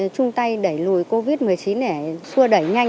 chung tay đẩy lùi covid một mươi chín để xua đẩy nhanh